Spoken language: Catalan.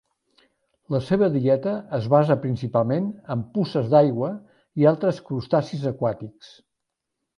La seva dieta es basa principalment en puces d'aigua i altres crustacis aquàtics.